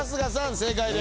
正解です。